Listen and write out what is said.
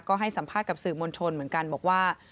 ก็ให้สัมภาษณ์กับสื่อมวลชนเหมือนกันบอกว่า